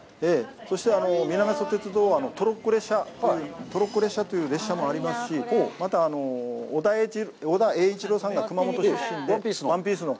そして、南阿蘇鉄道はトロッコ列車という列車もありますし、また、尾田栄一郎さんが熊本出身で、「ワンピース」の。